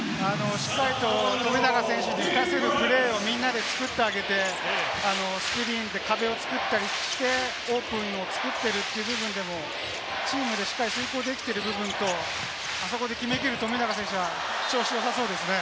しっかりと富永選手を活かせるプレーをみんなで作ってあげて、スクリーンで壁を作ったりして、オープンを作っているという部分でもチームでしっかり浸透できている部分と、あそこで決め切る富永選手は調子よさそうですね。